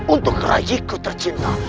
untuk rai ku tercinta